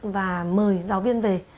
và mời giáo viên về